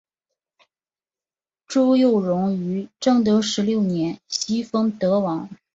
朱佑榕于正德十六年袭封德王。